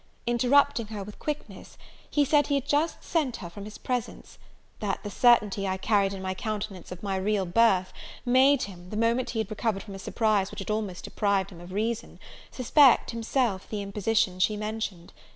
Interrupting her with quickness, he said he had just sent her from his presence; that the certainty I carried in my countenance of my real birth, made him, the moment he had recovered from a surprise which had almost deprived him of reason, suspect, himself, the imposition she mentioned.